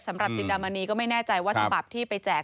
สำหรับจินดามณีก็ไม่แน่ใจว่าฉบับที่ไปแจก